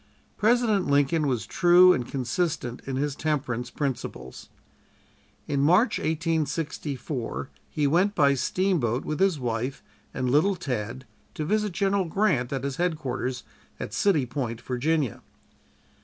President Lincoln was true and consistent in his temperance principles. In March, 1864, he went by steamboat with his wife and "Little Tad," to visit General Grant at his headquarters at City Point, Virginia.